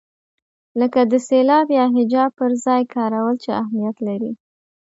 لکه د سېلاب یا هجا پر ځای کارول چې اهمیت لري.